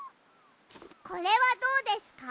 これはどうですか？